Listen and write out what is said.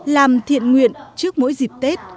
làm thiện nguyện trước mỗi dịp tết